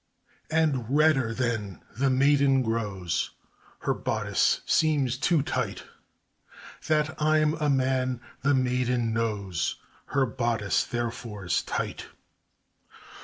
And redder then the maiden grows, Her bodice seems too tight That I'm a man the maiden knows, Her bodice therefore's tight.